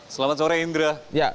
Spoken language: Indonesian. selamat sore indra